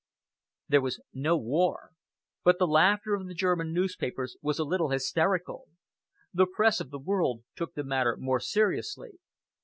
..." There was no war, but the laughter of the German newspapers was a little hysterical. The Press of the world took the matter more seriously.